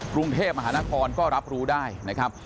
กรุงเทพมหานครก็รับรู้ได้นะครับ